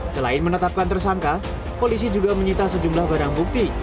selain menetapkan tersangka polisi juga menyita sejumlah barang bukti